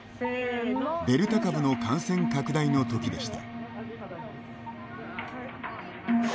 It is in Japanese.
デルタ株の感染拡大のときでした。